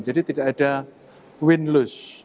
jadi tidak ada win lose